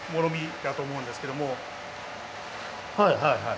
はいはいはい。